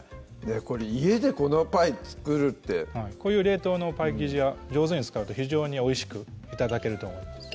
これ家でこのパイ作るってこういう冷凍のパイ生地は上手に使うと非常においしく頂けると思います